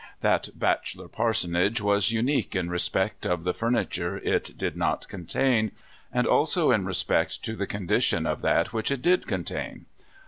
That bachelor parsonage was unic^ue in respect of the furniture it did not contain, and also in respect to the condition of that which it did contain.